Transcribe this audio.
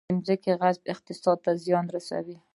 د ځمکې غصب اقتصاد ته زیان رسوي